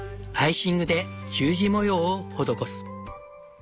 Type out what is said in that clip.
アイシングで十字模様を施す。